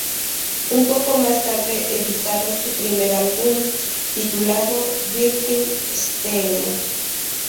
Un poco más tarde editaron su primer álbum, titulado "Virgin Steele".